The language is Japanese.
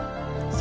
そ。